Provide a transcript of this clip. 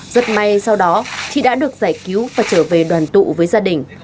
rất may sau đó chị đã được giải cứu và trở về đoàn tụ với gia đình